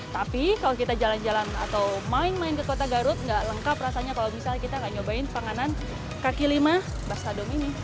tapi kalau kita jalan jalan atau main main ke kota garut nggak lengkap rasanya kalau misalnya kita nggak nyobain panganan kaki lima basadom ini